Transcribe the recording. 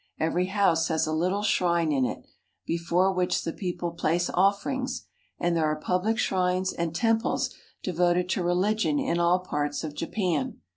Every house has a little shrine in it, before which the people place offer ings ; and there are pubHc shrines and temples devoted to religion in all parts of Japan.